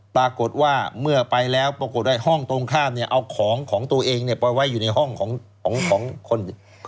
ปรากฏว่าเมื่อไปแล้วปรากฏว่าห้องตรงข้ามเนี่ยเอาของของตัวเองเนี่ยไปไว้อยู่ในห้องของของคน